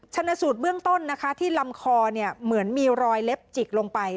ชนะสูตรเบื้องต้นนะคะที่ลำคอเหมือนมีรอยเล็บจิกลงไป